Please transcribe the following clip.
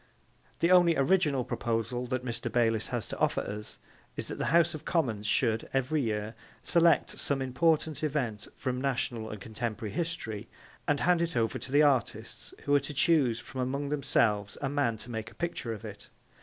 The only original proposal that Mr. Bayliss has to offer us is that the House of Commons should, every year, select some important event from national and contemporary history and hand it over to the artists who are to choose from among themselves a man to make a picture of it.